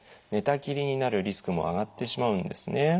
寝たきりになるリスクも上がってしまうんですね。